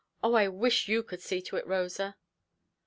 Oh, I wish you could see to it, Rosa".